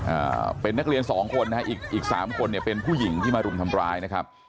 อ่าเป็นนักเรียนสองคนนะฮะอีกอีกสามคนเนี่ยเป็นผู้หญิงที่มารุมทำร้ายนะครับ